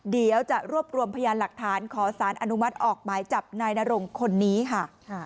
เดี๋ยวจะรวบรวมพยานหลักฐานขอสารอนุมัติออกหมายจับนายนรงคนนี้ค่ะ